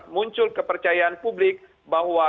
muncul kepercayaan publik bahwa